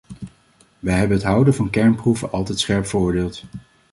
Wij hebben het houden van kernproeven altijd scherp veroordeeld.